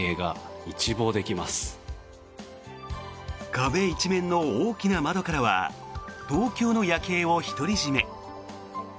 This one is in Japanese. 壁一面の大きな窓からは東京の夜景を独り占め。